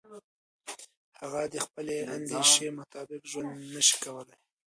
هغه د خپلې اندیشې مطابق ژوند نشي کولای.